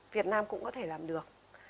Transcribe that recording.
việt nam cũng có thể làm được